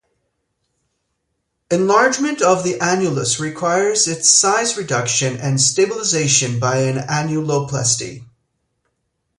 Enlargement of the annulus requires its size reduction and stabilization by an annuloplasty.